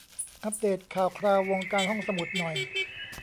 อัปเดทข่าวคราววงการห้องสมุดหน่อย